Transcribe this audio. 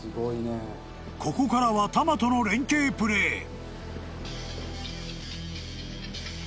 ［ここからはタマとの連携プレー］